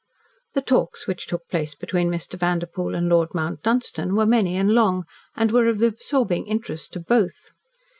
The talks which took place between Mr. Vanderpoel and Lord Mount Dunstan were many and long, and were of absorbing interest to both.